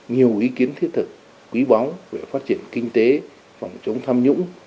nhiều ý kiến thiết thực quý báu về phát triển kinh tế phòng chống tham nhũng